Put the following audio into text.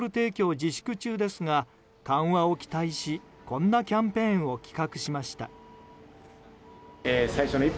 自粛中ですが緩和を期待しこんなキャンペーンを企画しました。